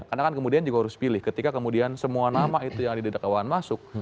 karena kan kemudian juga harus pilih ketika kemudian semua nama itu yang didakwaan masuk